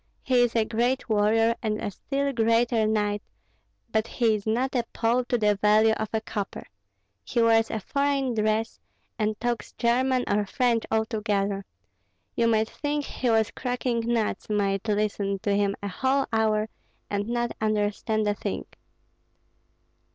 He is a great warrior and a still greater knight, but he is not a Pole to the value of a copper. He wears a foreign dress, and talks German or French altogether; you might think he was cracking nuts, might listen to him a whole hour, and not understand a thing."